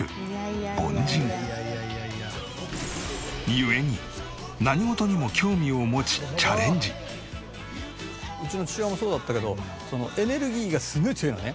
故にうちの父親もそうだったけどエネルギーがすごい強いのね。